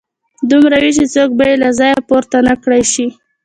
دومره وي چې څوک به يې له ځايه پورته نه کړای شي.